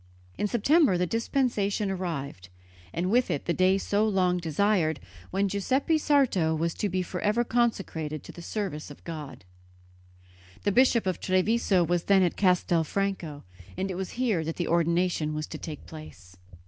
In September the dispensation arrived, and with it the day so long desired, when Giuseppe Sarto was to be for ever consecrated to the service of God. The Bishop of Treviso was then at Castelfranco, and it was here that the ordination was to take place.